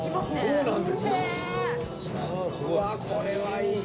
うわこれはいい。